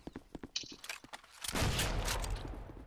松平清宗是日本战国时代至安土桃山时代的武将。